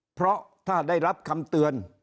เพราะถ้าได้รับคำเตือน